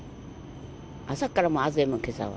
朝からもう暑いもん、けさは。